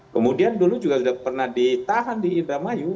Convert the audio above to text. kemudian dulu juga sudah pernah ditahan di indramayu